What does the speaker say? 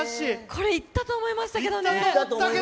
これ、いったと思いましたけどね。